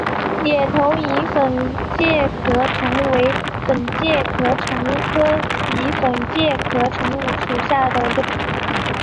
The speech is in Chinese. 野桐蚁粉介壳虫为粉介壳虫科蚁粉介壳虫属下的一个种。